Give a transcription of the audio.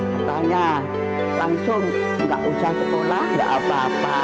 katanya langsung nggak usah sekolah nggak apa apa